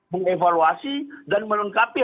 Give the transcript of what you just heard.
mengevaluasi dan menengkapi